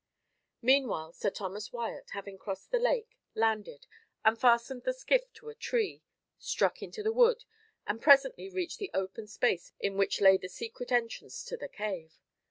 Meanwhile, Sir Thomas Wyat, having crossed the lake, landed, and fastened the skiff to a tree, struck into the wood, and presently reached the open space in which lay the secret entrance to the cave.